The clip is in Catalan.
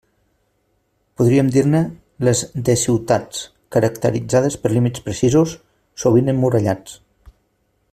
Podríem dir-ne les d-ciutats, caracteritzades per límits precisos, sovint emmurallats.